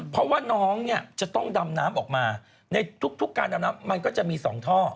เพราะว่าน้องเนี่ยจะต้องดำน้ำออกมาในทุกการดำน้ำมันก็จะมี๒ท่อ